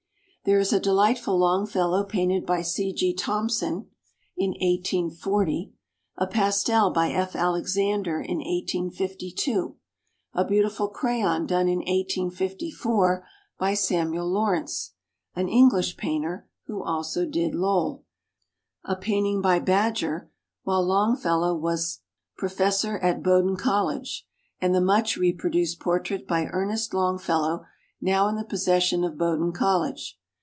There is a delightful Longfellow painted by C. G. Thompson, in 1840, a pastel by F. Alexander in 1852, a beautiful crayon done in 1854 by Samuel Laurence, an English painter who also did Lowell, a painting by Badger while Longfellow was profes sor at Bowdoin College, and the much reproduced portrait by Ernest Long fellow now in the possession of Bow doin College.